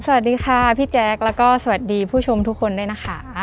สวัสดีค่ะพี่แจ๊คแล้วก็สวัสดีผู้ชมทุกคนด้วยนะคะ